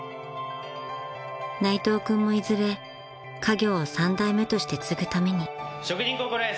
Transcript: ［内藤君もいずれ家業を３代目として継ぐために］